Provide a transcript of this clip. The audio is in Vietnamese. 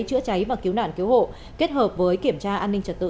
chữa cháy và cứu nạn cứu hộ kết hợp với kiểm tra an ninh trật tự